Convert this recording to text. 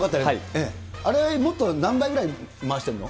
あれもっと、何台ぐらい回してるの？